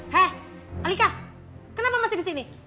hei alika kenapa masih disini